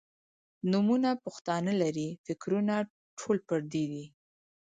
نومونه پښتانۀ لــري فکـــــــــــرونه ټول پردي دي